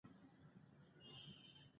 په افغانستان کې د تاریخ تاریخ اوږد دی.